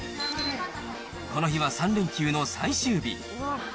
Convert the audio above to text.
この日は３連休の最終日。